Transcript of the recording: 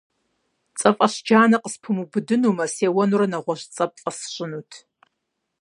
ЦӀэфӀэщ джанэ къыспумыубыдынумэ, сеуэнурэ нэгъуэщӀ цӀэ пфӀэсщынут.